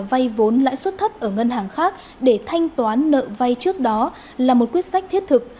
vay vốn lãi suất thấp ở ngân hàng khác để thanh toán nợ vay trước đó là một quyết sách thiết thực